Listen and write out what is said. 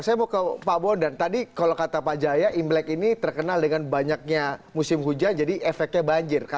saya mau ke pak bondan tadi kalau kata pak jaya imlek ini terkenal dengan banyaknya musim hujan jadi efeknya banjir